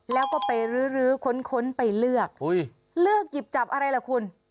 แล้วก็ไปรื้อรื้อค้นไปเลือกเลือกหยิบจับอะไรล่ะคุณ